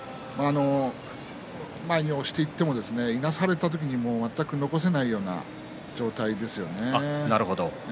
前に押していってもいなされた時に全く残せないような状況ですよね。